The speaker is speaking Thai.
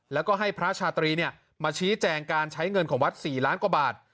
แล้วก็ให้พระชาตรีมาชี้แจงการใช้เงินของวัด๔ล้านกว่าบาท